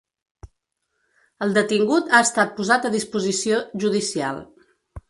El detingut ha estat posat a disposició judicial.